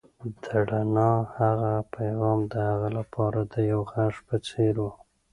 د رڼا هغه پيغام د هغه لپاره د یو غږ په څېر و.